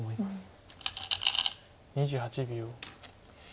２８秒。